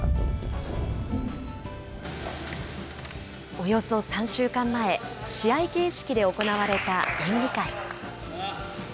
およそ３週間前、試合形式で行われた演技会。